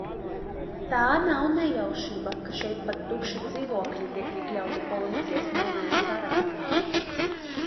Tā nav nejaušība, ka šeit pat tukši dzīvokļi tiek iekļauti policijas melnajā sarakstā.